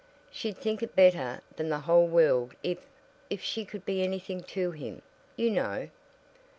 "She'd think it better than the whole world if if she could be anything to him, you know."